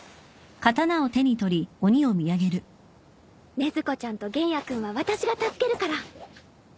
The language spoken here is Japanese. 禰豆子ちゃんと玄弥君は私が助けるから。